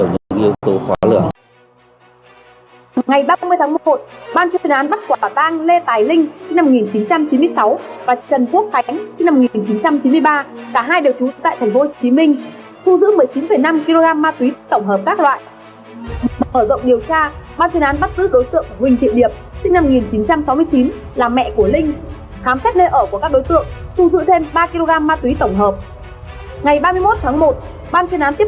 ngày ba mươi tháng một ban chuyên án bắc quả tăng lê tài linh sinh năm một nghìn chín trăm chín mươi sáu và trần quốc khánh sinh năm một nghìn chín trăm chín mươi ba cả hai đều trú tại tp hcm thu giữ một mươi chín năm kg ma túy tổng hợp các loại